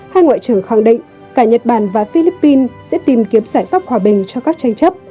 hai ngoại trưởng khẳng định cả nhật bản và philippines sẽ tìm kiếm giải pháp hòa bình cho các tranh chấp